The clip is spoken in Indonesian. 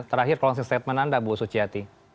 terakhir closing statement anda bu suciati